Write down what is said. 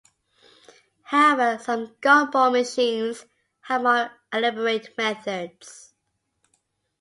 However, some gumball machines have more elaborate methods.